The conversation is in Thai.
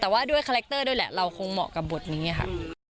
แต่ว่าด้วยคาแรคเตอร์ด้วยแหละเราคงเหมาะกับบทนี้ค่ะ